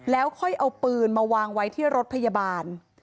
แล้วค่อยเอาปืนมาวางไว้ที่รถพยาบาล